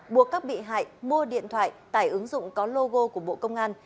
buộc các bị hại mua điện thoại tải ứng dụng có logo của bộ công an